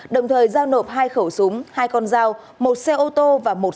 đồng thời giao nộp hai khẩu súng hai con dao một xe ô tô và một xe mô tô